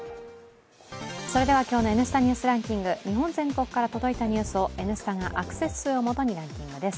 それでは、今日の「Ｎスタ・ニュースランキング」、日本全国から届いたニュースを「Ｎスタ」がアクセス数をもとにランキングです。